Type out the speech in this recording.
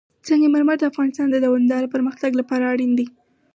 سنگ مرمر د افغانستان د دوامداره پرمختګ لپاره اړین دي.